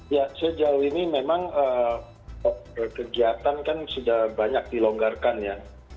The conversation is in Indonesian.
ya sejauh ini memang kegiatan kan sudah banyak dilonggarkan ya